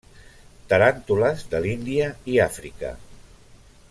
Taràntules de l'Índia i Àfrica.